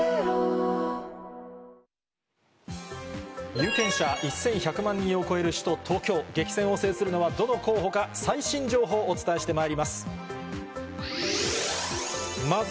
有権者１１００万人を超える首都・東京、激戦を制するのは、どの候補か、最新情報をお伝えしてまいります。